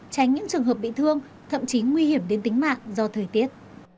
tránh những trường hợp bị thương thậm chí nguy hiểm đến tính mạng do thời tiết